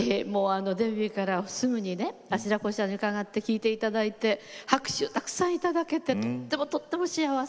デビューからすぐにねあちらこちらに伺って聴いていただいて拍手たくさんいただけてとってもとっても幸せ。